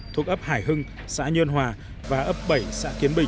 thuộc ấp hải hưng xã nhơn hòa và ấp bảy xã kiến bình